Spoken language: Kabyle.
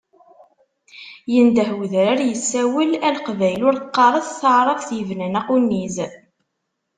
Yendeh udrar yessawel, a Leqbayel ur qqaret, taɛrabt yebnan aqunniz.